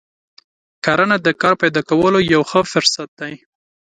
کرنه د کار پیدا کولو یو ښه فرصت دی.